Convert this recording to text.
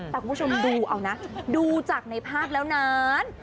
แต่คุณผู้ชมดูเอานะดูจากในภาพแล้วนาน